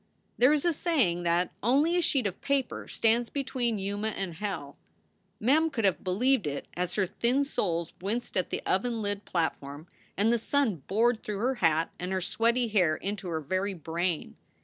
There is a saying that "only a sheet of paper stands between Yuma and hell." Mem could have believed it as her thin soles winced at the oven lid platform, and the sun bored through her hat and her sweaty hair into her very brain.